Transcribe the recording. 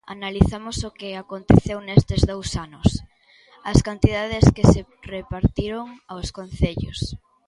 Analizamos o que aconteceu nestes dous anos, as cantidades que se repartiron aos concellos.